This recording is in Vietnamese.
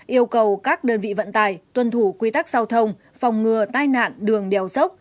yêu cầu các đơn vị vận tải tuân thủ quy tắc giao thông phòng ngừa tai nạn đường đèo dốc